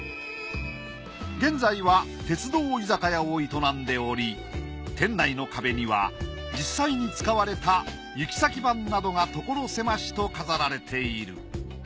現在は鉄道居酒屋を営んでおり店内の壁には実際に使われた行先板などがところ狭しと飾られている。